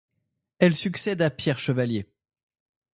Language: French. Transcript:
Elle succède à Pierre Chevalier.